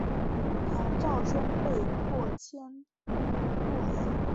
唐昭宗被迫迁都洛阳。